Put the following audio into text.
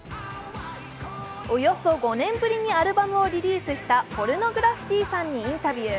およそ５年ぶりにアルバムをリリースしたポルノグラフィティさんにインタビュー。